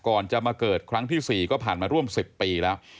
ก่อนจะมาเกิดครั้งที่๔ก็ผ่านมาร่วม๑๐ปีแล้ว